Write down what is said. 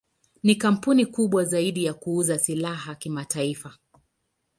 Ni kampuni kubwa zaidi ya kuuza silaha kimataifa.